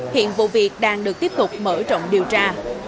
hiện vụ việc đang được tiếp tục mở rộng điều tra